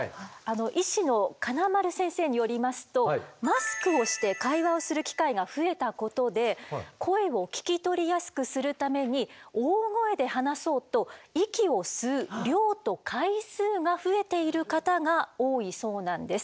医師の金丸先生によりますとマスクをして会話をする機会が増えたことで声を聞き取りやすくするために大声で話そうと息を吸う量と回数が増えている方が多いそうなんです。